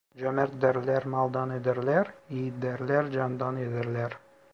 Cömert derler maldan ederler, yiğit derler candan ederler.